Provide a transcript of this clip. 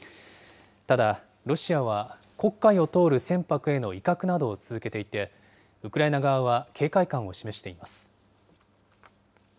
ただ、ロシアは黒海を通る船舶への威嚇などを続けていて、ウクライナ側は警戒感を示しています。